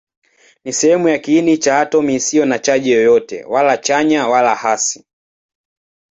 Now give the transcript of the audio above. Ni sehemu ya kiini cha atomi isiyo na chaji yoyote, wala chanya wala hasi.